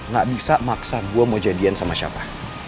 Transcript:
gak bisa maksa gue mau jadian sama siapa